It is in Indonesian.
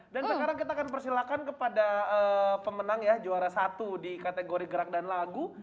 dan sekarang kita akan persilahkan kepada pemenang ya juara satu di kategori gerak dan lagu